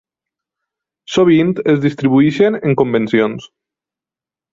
Sovint, es distribueixen en convencions.